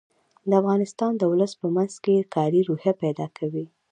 دا فعالیتونه د ولس په منځ کې کاري روحیه پیدا کوي.